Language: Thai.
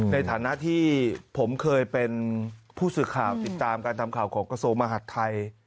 ในฐานะที่ผมเคยเป็นผู้สื่อข่าวติดตามการทำข่าวของกระทรวงมหาดไทย